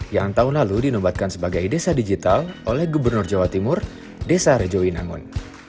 yang tahun lalu dinobatkan sebagai desa digital oleh gubernur jawa timur desa rejowinangun